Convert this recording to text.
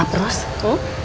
bapak lelah bapak datang